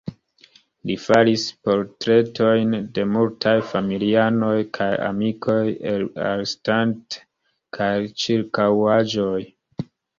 Li faris portretojn de multaj familianoj kaj amikoj el Arnstadt kaj la ĉirkaŭaĵoj.